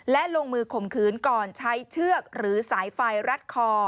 และลงมือข่มขืนก่อนใช้เชือกหรือสายไฟรัดคอ